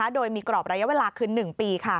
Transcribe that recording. โดยมีกรอบระยะเวลาคือ๑ปี